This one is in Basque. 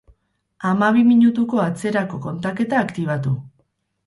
Hamabi minutuko atzerako kontaketa aktibatu